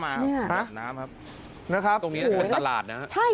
ห้าตรงนี้ก็เป็นตลาดนะครับ